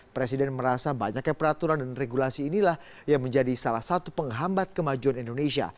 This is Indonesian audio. presiden merasa banyaknya peraturan dan regulasi inilah yang menjadi salah satu penghambat kemajuan indonesia